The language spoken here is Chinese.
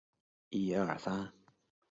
他安葬在乌鲁木齐东山公墓。